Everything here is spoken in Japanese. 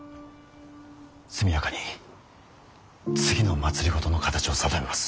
速やかに次の政の形を定めます。